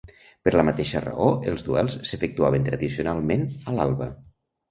Per la mateixa raó, els duels s'efectuaven tradicionalment a l'alba.